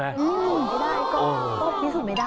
อื่นก็ได้ก็พิสูจน์ไม่ได้